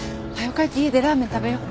帰って家でラーメン食べよ。